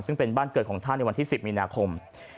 ซึ่งเป็นบ้านเกิดของท่านในวันที่๑๐มีนาคม